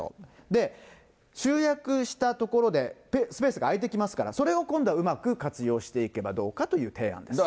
で、集約したところでスペースが空いてきますから、それを今度はうまく活用していけばどうかという提案です。